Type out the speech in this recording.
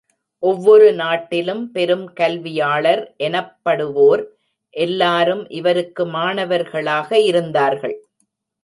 ஒவ்வொரு நாட்டிலும் பெரும் கல்வியாளர் எனப்படுவோர் எல்லாரும் இவருக்கு மாணவர்களாக இருந்தார்கள்!